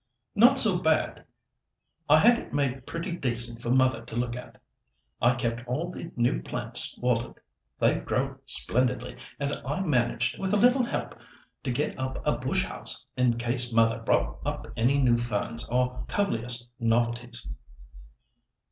"Not so bad. I had it made pretty decent for mother to look at. I kept all the new plants watered—they've grown splendidly, and I managed, with a little help, to get up a 'bush house' in case mother brought up any new ferns, or Coleus novelties."